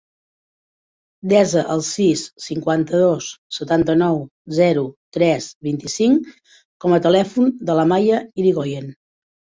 Desa el sis, cinquanta-dos, setanta-nou, zero, tres, vint-i-cinc com a telèfon de l'Amàlia Irigoyen.